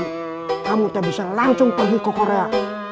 kamu tak bisa langsung pergi ke korea